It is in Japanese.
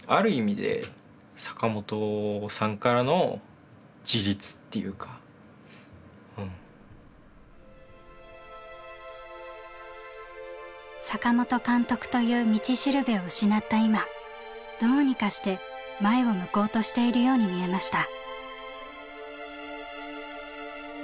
話し合った時にでそこがやっぱり坂本監督という道しるべを失った今どうにかして前を向こうとしているように見えました。